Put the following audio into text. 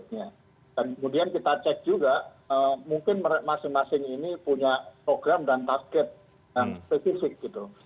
dan kemudian kita cek juga mungkin masing masing ini punya program dan target yang spesifik gitu